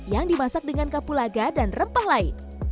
yang dimasak dengan kapulaga dan rempah lain